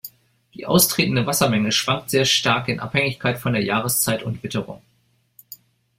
Die austretende Wassermenge schwankt sehr stark in Abhängigkeit von Jahreszeit und Witterung.